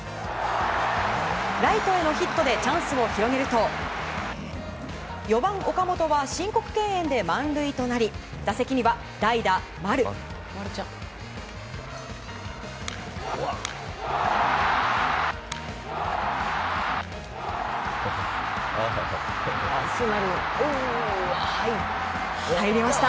ライトへのヒットでチャンスを広げると４番、岡本は申告敬遠で満塁となり打席には代打、丸。入りました！